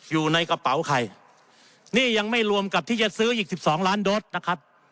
อยู่ในกระเป๋าใครนี่ยังไม่รวมกับที่จะซื้ออีกสิบสองล้านโดสนะครับ